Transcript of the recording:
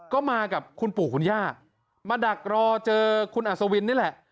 ก็มากับคุณปู่คุณย่ามาดักรอเจอคุณอัศวินนี่แหละ